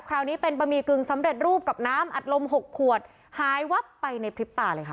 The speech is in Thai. คราวนี้เป็นบะหมี่กึ่งสำเร็จรูปกับน้ำอัดลมหกขวดหายวับไปในพริบตาเลยค่ะ